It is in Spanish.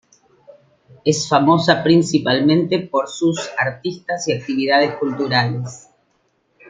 Es famosa principalmente por sus artistas y actividades culturales.